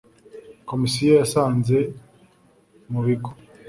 komisiyo yasanze mu bigo